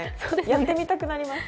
やってみたくなります。